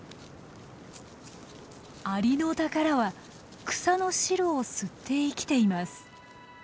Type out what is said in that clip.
アリノタカラは草の汁を吸って生きています。